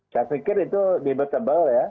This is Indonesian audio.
saya pikir itu debat tebal ya